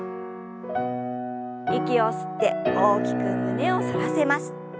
息を吸って大きく胸を反らせます。